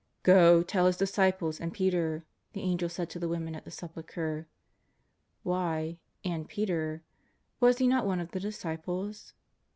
'^ Go, tell His disciples and Peter," the Angel said to the women at the Sepulchre. Why ''and Peter?" Was he not one of the disciples?